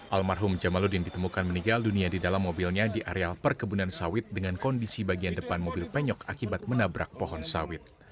almarhum jamaludin ditemukan meninggal dunia di dalam mobilnya di areal perkebunan sawit dengan kondisi bagian depan mobil penyok akibat menabrak pohon sawit